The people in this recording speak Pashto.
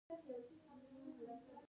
نه مې باور کولاى سو نه انکار.